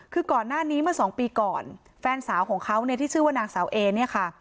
คือก่อนหน้านี้เมื่อสองปีก่อนแฟนสาวของเขาเนี่ยที่ชื่อว่านางสาวเอเนี่ยค่ะ